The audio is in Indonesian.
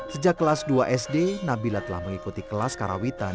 sejak kelas dua sd nabila telah mengikuti kelas karawitan